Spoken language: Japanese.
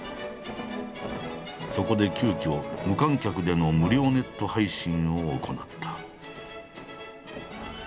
そこで急きょ無観客での無料ネット配信を行った。